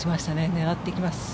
狙ってきます。